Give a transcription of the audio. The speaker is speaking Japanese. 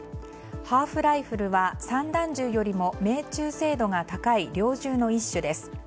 ハーフライフルは散弾銃よりも命中精度が高い猟銃の一種です。